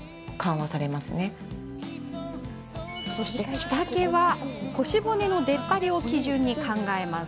着丈は腰骨の出っ張りを基準に考えます。